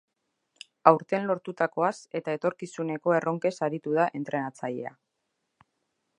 Aurten lortutakoaz eta etorkizuneko erronkez aritu da entrenatzailea.